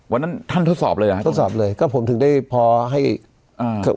วันนั้นท่านทดสอบเลยเหรอฮะทดสอบเลยก็ผมถึงได้พอให้อ่า